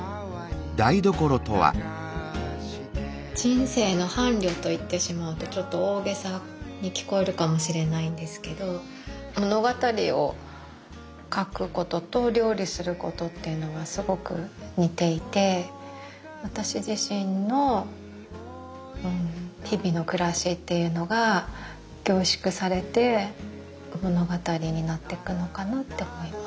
人生の伴侶と言ってしまうとちょっと大げさに聞こえるかもしれないんですけど物語を書くことと料理することっていうのはすごく似ていて私自身の日々の暮らしっていうのが凝縮されて物語になっていくのかなと思います。